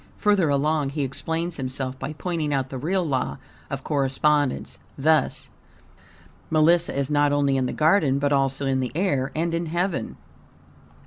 Further along, he explains himself by pointing out the real Law of Correspondence, thus: "Melissa is not only in the garden, but also in the air, and in Heaven.